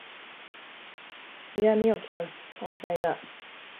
にらみをきかす存在だ